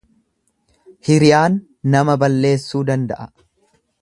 Hiriyaan nama balleessuu danda'a.